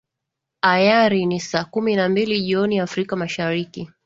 ayari ni saa kumi na mbili jioni afrika mashariki